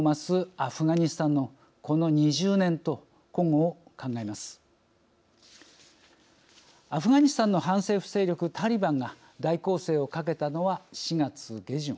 アフガニスタンの反政府勢力タリバンが大攻勢をかけたのは４月下旬